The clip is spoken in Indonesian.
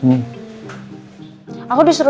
ya udah deh